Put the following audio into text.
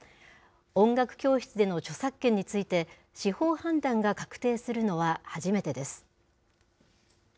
音楽教室での著作権について、司法判断が確定するのは初めてです。